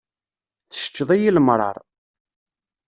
Tseččeḍ-iyi lemṛaṛ.